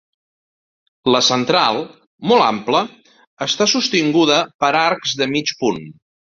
La central, molt ampla, està sostinguda per arcs de mig punt.